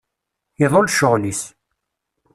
Iḍul ccɣel-is.